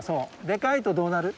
でかいとどうなる？